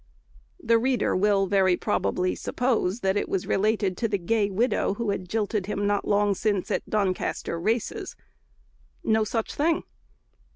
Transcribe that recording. The reader will, very probably, suppose that it related to the gay widow who jilted him not long since at Doncaster races; no such thing.